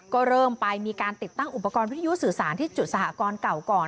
ก็เริ่มไปมีการติดตั้งอุปกรณ์วิทยุสื่อสารที่จุดสหกรณ์เก่าก่อน